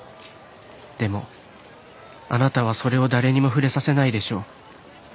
「でもあなたはそれを誰にも触れさせないでしょう」